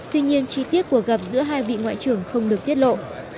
tuy nhiên chi tiết cuộc gặp giữa hai vị ngoại trưởng không được tiết lộ